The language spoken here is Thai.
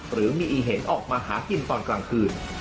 หรือมีอีเห็นออกมาหากินตอนกลางคืน